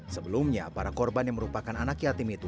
sebelumnya para korban yang merupakan anak yatim itu